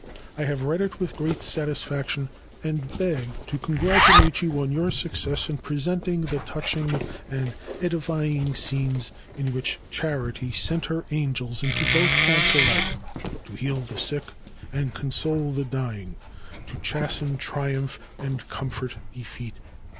I have read it with great satisfaction and beg to congratulate you on your success in presenting the touching and edifying scenes in which Charity sent her Angels into both camps alike, to heal the sick and console the dying, to chasten triumph and comfort defeat.